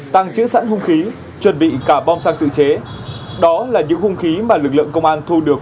tăng chữ sẵn hung khí chuẩn bị cả bom xăng tự chế đó là những hung khí mà lực lượng công an thu được